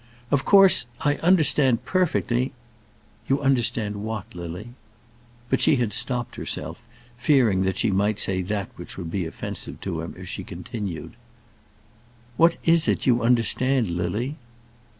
Of course I understand perfectly " "You understand what, Lily?" But she had stopped herself, fearing that she might say that which would be offensive to him if she continued. "What is it you understand, Lily?"